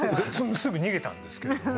すぐ逃げたんですけど。